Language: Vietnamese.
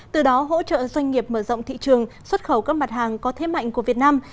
từ đó hỗ trợ doanh nghiệp mở rộng thị trường xuất khẩu các mặt hàng có thế mạnh của việt nam